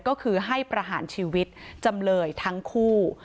ก็คือให้ประหารชีวิตจำเลยทั้งคู่